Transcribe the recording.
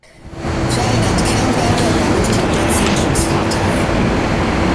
Ferdinand Kirnberger war Mitglied der Zentrumspartei.